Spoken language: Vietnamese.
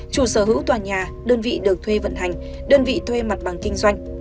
chủ sở hữu tòa nhà đơn vị được thuê vận hành đơn vị thuê mặt bằng kinh doanh